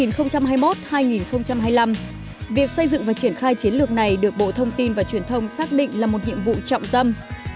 việc xây dựng và triển khai chiến lược này được bộ thông tin và truyền thông xác định là một nhiệm vụ trọng tâm